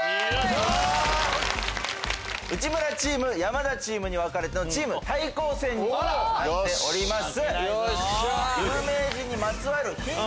まずはチームに分かれてのチーム対抗戦になっております。